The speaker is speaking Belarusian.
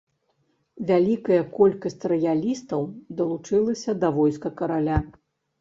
Вялікая колькасць раялістаў далучылася да войска караля.